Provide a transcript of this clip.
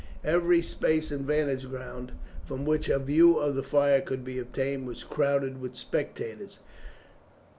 Every space and vantage ground from which a view of the fire could be obtained was crowded with spectators.